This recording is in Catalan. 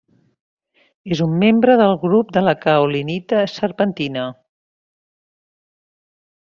És un membre del grup de la caolinita-serpentina.